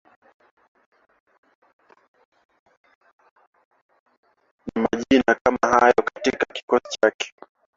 na majina kama hayo katika kikosi chake